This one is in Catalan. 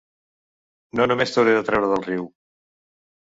No només t'hauré de treure del riu.